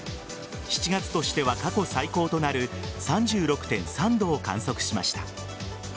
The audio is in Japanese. ７月としては過去最高となる３６．３度を観測しました。